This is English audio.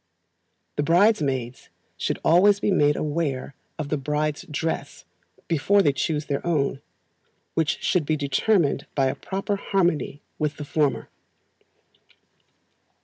The bridesmaids should always be made aware of the bride's dress before they choose their own, which should be determined by a proper harmony with the former.